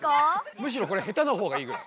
むしろこれ下手なほうがいいぐらい。